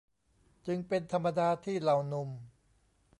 จึงเป็นธรรมดาที่เหล่าหนุ่ม